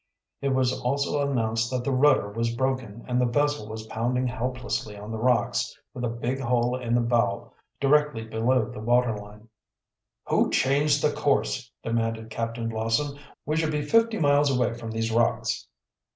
It was also announced that the rudder was broken and the vessel was pounding helplessly on the rocks, with a big hole in the bow directly below the waterline. "Who changed the course?" demanded Captain Blossom. "We should be fifty miles away from these rocks."